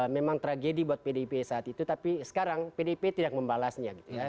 memang tragedi buat pdip saat itu tapi sekarang pdip tidak membalasnya gitu ya